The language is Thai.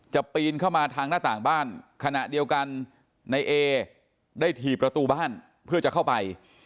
ปีนเข้ามาทางหน้าต่างบ้านขณะเดียวกันในเอได้ถี่ประตูบ้านเพื่อจะเข้าไป